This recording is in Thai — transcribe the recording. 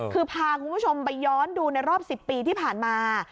คือพาคุณผู้ชมไปย้อนดูในรอบ๑๐ปีที่ผ่านมา